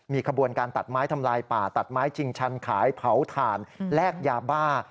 มีขบวนการตัดไม้ทำลายป่าตัดไม้ชิงชันขายเผาถ่านแลกยาบ้า